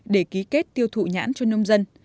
để ký kết tiêu thụ nhãn cho nông dân